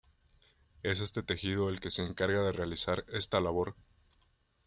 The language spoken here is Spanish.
Es este tejido el que se encarga de realizar esta labor.